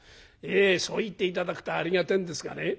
そう言って頂くとありがたいんですがね